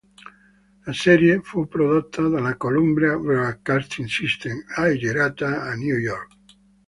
La serie fu prodotta dalla Columbia Broadcasting System e girata a New York.